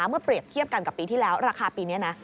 อือครับ